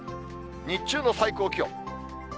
日中の最高気温。